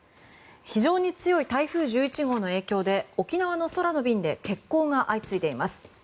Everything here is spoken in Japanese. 非常に強い台風１１号の影響で沖縄の空の便で欠航が相次いでいます。